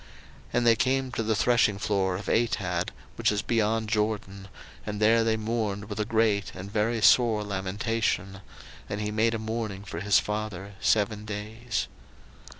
01:050:010 And they came to the threshingfloor of Atad, which is beyond Jordan, and there they mourned with a great and very sore lamentation: and he made a mourning for his father seven days.